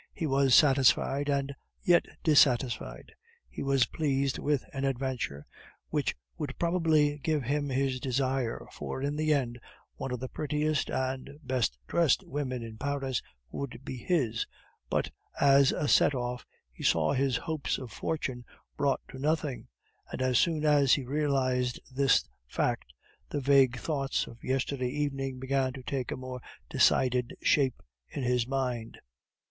He was satisfied, and yet dissatisfied. He was pleased with an adventure which would probably give him his desire, for in the end one of the prettiest and best dressed women in Paris would be his; but, as a set off, he saw his hopes of fortune brought to nothing; and as soon as he realized this fact, the vague thoughts of yesterday evening began to take a more decided shape in his mind.